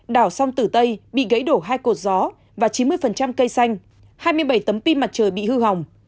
đảo sông tử tây bị gãy đổ hai cột gió và chín mươi cây xanh hai mươi bảy tấm pin mặt trời bị hư hỏng